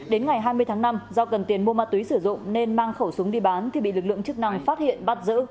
đến ngày hai mươi tháng năm do cần tiền mua ma túy sử dụng nên mang khẩu súng đi bán thì bị lực lượng chức năng phát hiện bắt giữ